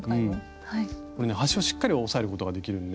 これね端をしっかり押さえることができるんで。